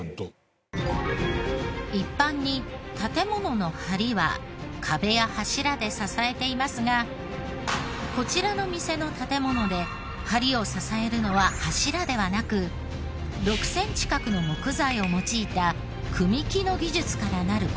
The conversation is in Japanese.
一般に建ものの梁は壁や柱で支えていますがこちらの店の建もので梁を支えるのは柱ではなく６センチ角の木材を用いた組木の技術からなる